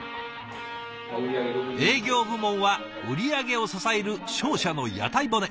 営業部門は売り上げを支える商社の屋台骨。